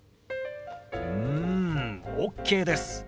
うんＯＫです。